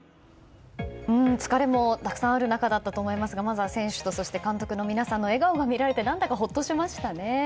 疲れもたくさんある中だったと思いますがまずは選手と監督の皆さんの笑顔が見られて何だかほっとしましたね。